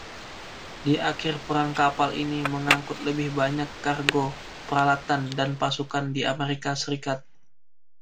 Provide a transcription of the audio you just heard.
Di akhir perang kapal ini mengangkut lebih banyak kargo, peralatan, dan pasukan di Amerika Serikat.